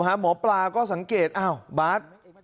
หมอปลาก็สังเกตอ้าวบาส